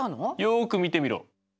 よく見てみろ。